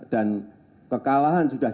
dan kekalahan sudah